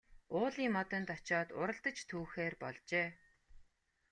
Уулын модонд очоод уралдаж түүхээр болжээ.